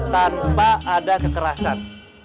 tanpa ada kekerasan